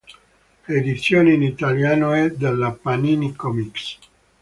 L'edizione in italiano è della Panini Comics.